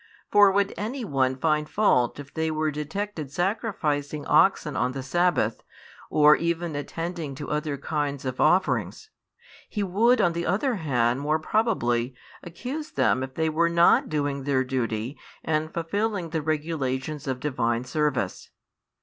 For would any one find fault if they were detected sacrificing oxen on the sabbath, or even attending to other kinds of offerings? He would on the other hand more probably accuse them if they were not doing their duty and fulfilling the regulations of Divine service.